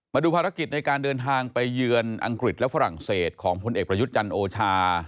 มาดูภารกิจในการเดินทางไปเยือนอังกฤษและฝรั่งเศสของพลเอกประยุทธ์จันทร์โอชา